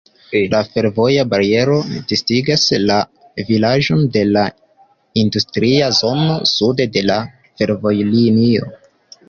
La fervoja bariero disigas la vilaĝon de la industria zono sude de la fervojlinio.